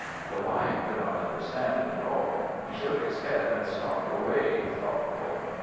The Lion could not understand it at all. He shook his head, and stalked away thoughtful.